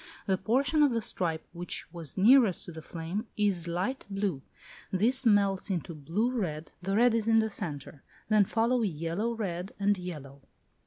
The portion of the stripe which was nearest to the flame is light blue; this melts into blue red; the red is in the centre; then follow yellow red and yellow.